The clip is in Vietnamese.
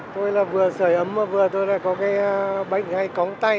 tôi là vừa sửa ấm mà vừa tôi là có cái bánh hay cống tay